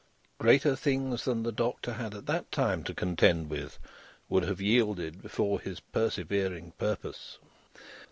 Greater things than the Doctor had at that time to contend with, would have yielded before his persevering purpose.